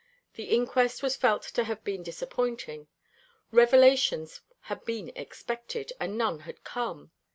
The inquest was felt to have been disappointing. Revelations had been expected, and none had come.